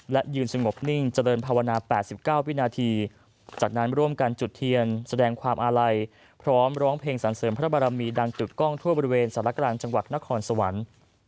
และยืนสงบนิ่งเจริญภาวนา๘๙วินาทีจากนั้นร่วมกันจุดเทียนแสดงความอาลัยพร้อมร้องเพลงสรรเสริมพระบารมีดังจุดกล้องทั่วบริเวณสารกลางจังหวัดนครสวรรค์